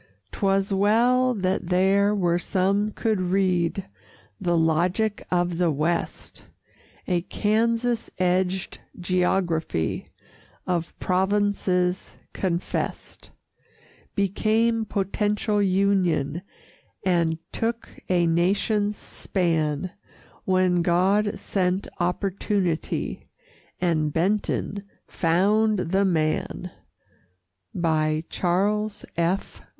'Twas well that there were some could read The logic of the West! A Kansas edged geography, Of provinces confessed, Became potential Union And took a Nation's span When God sent Opportunity And Benton found the Man! CHARLES F.